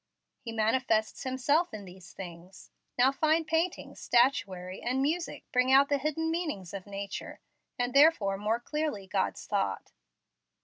He manifests Himself in these things. Now fine paintings, statuary, and music bring out the hidden meanings of nature, and therefore more clearly God's thought.